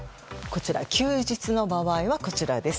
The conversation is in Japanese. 休日の場合は、こちらです。